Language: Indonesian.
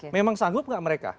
memang sanggup gak mereka